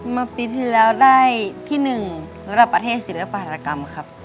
เมื่อปีที่แล้วได้ที่๑ระดับประเทศศิลปารกรรมครับ